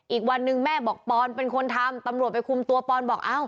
อีกวันหนึ่งแม่บอกปอนเป็นคนทำตำรวจไปคุมตัวปอนบอกเอ้า